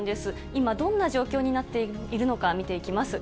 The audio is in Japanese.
今、どんな状況になっているのか見ていきます。